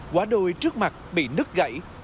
quá đôi trước mặt bị nứt gãy